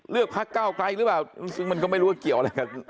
เลือกพักเก้าไกลหรือเปล่าซึ่งมันก็ไม่รู้ว่าเกี่ยวอะไรกับ